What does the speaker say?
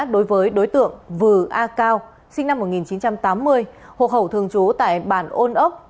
đối với đối tượng vừa a cao sinh năm một nghìn chín trăm tám mươi hộ khẩu thường trú tại bản ôn ốc